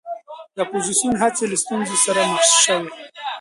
د اپوزېسیون هڅې له ستونزو سره مخ شوې.